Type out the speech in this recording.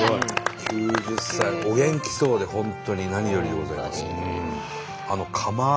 ９０歳お元気そうで本当に何よりでございますけど。